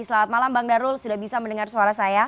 selamat malam bang darul sudah bisa mendengar suara saya